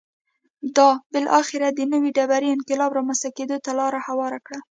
دا بالاخره د نوې ډبرې انقلاب رامنځته کېدو ته لار هواره کړه